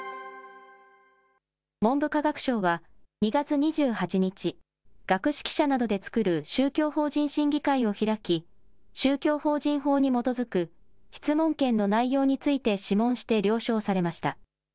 文部科学省は、２月２８日、学識者などで作る宗教法人審議会を開き、宗教法人法に基づく質問権の内容について諮問して了承されました。